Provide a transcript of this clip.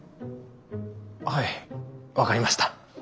はい分かりました。